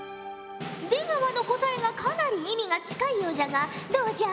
出川の答えがかなり意味が近いようじゃがどうじゃ？